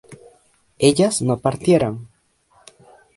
ellas no partieran